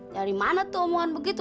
dari mana tuh omongan begitu